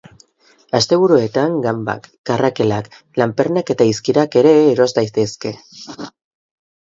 Asteburuetan ganbak, karrakelak, lanpernak eta izkirak ere eros daitezke.